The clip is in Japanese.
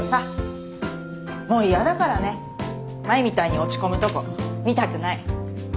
もうイヤだからね前みたいに落ち込むとこ見たくない。